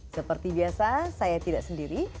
seperti biasa saya tidak sendiri